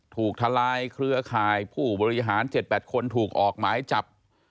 ทลายเครือข่ายผู้บริหาร๗๘คนถูกออกหมายจับ